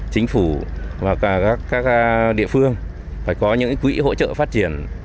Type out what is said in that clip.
chính phủ và các địa phương phải có những quỹ hỗ trợ phát triển